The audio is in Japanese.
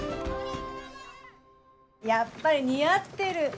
やっぱり似合ってる。